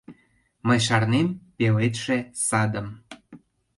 МЫЙ ШАРНЕМ ПЕЛЕДШЕ САДЫМ